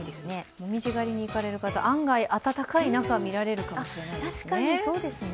紅葉狩りに行かれる方、案外暖かい中、見られるかもしれませんね。